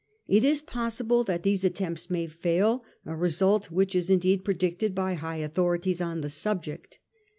It is possible that these attempts may fail, a result which is indeed predicted by high authorities on this subject.